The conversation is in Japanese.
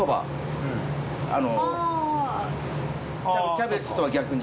キャベツとは逆に。